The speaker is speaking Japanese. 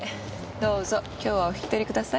どうぞ今日はお引き取りください。